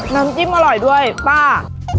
น้ำจิ้มอร่อยด้วยป้า